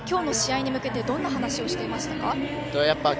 今日の試合に向けてどんな話をしていましたか。